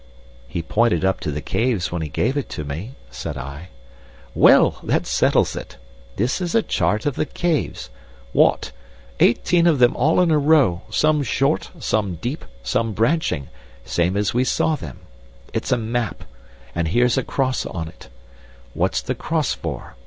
"He pointed up to the caves when he gave it to me," said I. "Well, that settles it. This is a chart of the caves. What! Eighteen of them all in a row, some short, some deep, some branching, same as we saw them. It's a map, and here's a cross on it. What's the cross for?